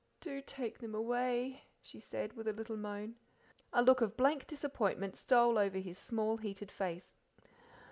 "Do take them away," she said, with a little moan. A look of blank disappointment stole over his small, heated face.